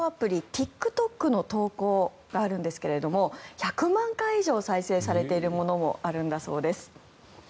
ＴｉｋＴｏｋの投稿があるんですけれども１００万回以上再生されているものもあるんだそうです。